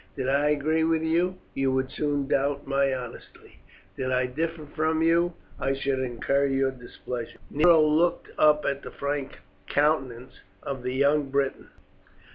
Did I agree with you, you would soon doubt my honesty; did I differ from you, I should incur your displeasure." Nero looked up at the frank countenance of the young Briton.